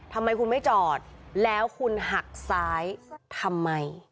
ทำไมคุณไม่จอดแล้วคุณหักซ้ายทำไม